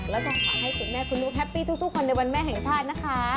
แล้วก็ขอให้คุณแม่คุณลูกแฮปปี้ทุกคนในวันแม่แห่งชาตินะคะ